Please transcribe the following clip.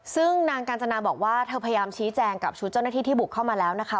ซึ่งนางกาญจนาบอกว่าเธอพยายามชี้แจงกับชุดเจ้าหน้าที่ที่บุกเข้ามาแล้วนะคะ